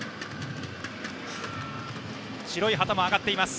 白い旗も上がっています。